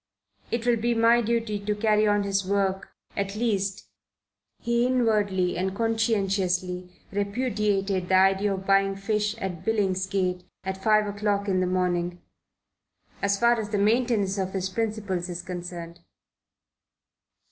It will be my duty to carry on his work at least" he inwardly and conscientiously repudiated the idea of buying fish at Billingsgate at five o'clock in the morning "as far as the maintenance of his principles is concerned."